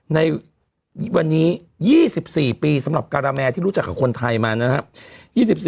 ในวันนี้๒๔ปีสำหรับการาแมที่รู้จักกับคนไทยมานะครับ